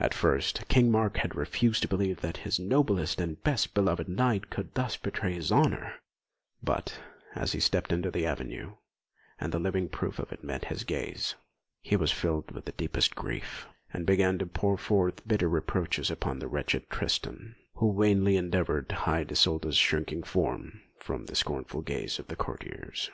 At first King Mark had refused to believe that his noblest and best beloved knight could thus betray his honour; but as he stepped into the avenue, and the living proof of it met his gaze, he was filled with deepest grief, and began to pour forth bitter reproaches upon the wretched Tristan, who vainly endeavoured to hide Isolda's shrinking form from the scornful gaze of the courtiers.